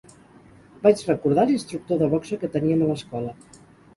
Vaig recordar l'instructor de boxa que teníem a l'escola